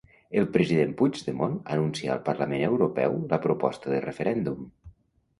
El president Puigdemont anuncia al Parlament Europeu la proposta de referèndum.